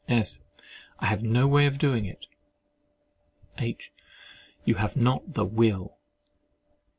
S. I have no way of doing it. H. You have not the will.